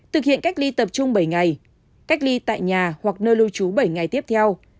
thực hiện cách ly tập trung bảy ngày cách ly tại nhà hoặc nơi lưu trú bảy ngày tiếp theo